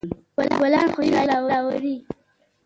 ګلان خوشحالي راولي.